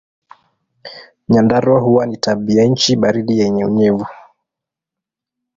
Nyandarua huwa na tabianchi baridi na yenye unyevu.